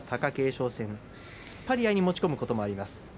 勝戦突っ張り合いに持ち込むことがあります。